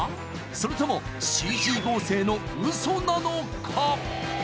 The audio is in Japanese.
それともＣＧ合成のウソなのか？